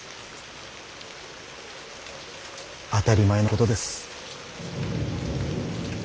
当たり前のことです。